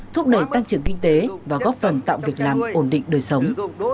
thúc đẩy tăng trưởng kinh tế và góp phần tạo việc làm ổn định đời sống